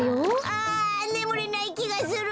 あねむれないきがする！